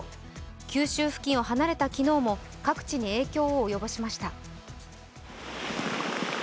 九州付近を離れた昨日も各地に影響を及ぼしました。